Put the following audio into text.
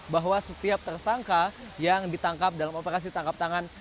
bahwa setiap tersangka yang ditangkap dalam operasi tangkap tangan